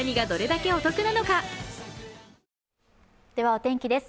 お天気です。